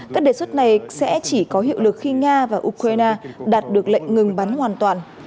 các đề xuất này sẽ chỉ có hiệu lực khi nga và ukraine đạt được lệnh ngừng bắn hoàn toàn